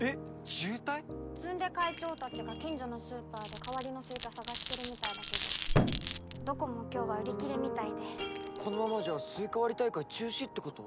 詰出会長たちが近所のスーパーで代わりのスイカ探してるみたいだけどどこも今日は売り切れみたいでこのままじゃスイカ割り大会中止ってこと？